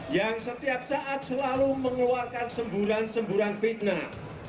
yang setiap saat selalu mengeluarkan semburan semburan fitnah